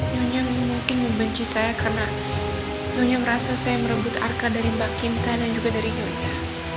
nyonya mungkin membenci saya karena nyonya merasa saya merebut arka dari mbak kinta dan juga dari nyonya